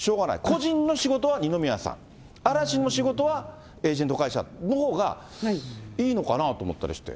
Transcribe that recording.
個人の仕事は二宮さん、嵐の仕事はエージェント会社のほうがいいのかなと思ったりして。